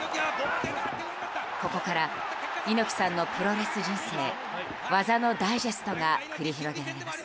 ここから猪木さんのプロレス人生技のダイジェストが繰り広げられます。